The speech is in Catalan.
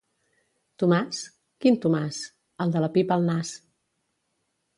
—Tomàs? —Quin Tomàs? —El de la pipa al nas.